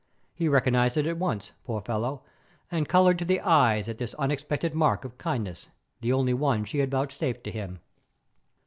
He recognized it at once, poor fellow, and coloured to the eyes at this unexpected mark of kindness, the only one she had vouchsafed to him.